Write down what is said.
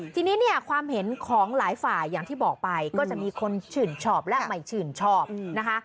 ทีนี้เนี่ยความเห็นของหลายฝ่ายอย่างที่บอกไปก็จะมีคนชื่นชอบและไม่ชื่นชอบนะคะ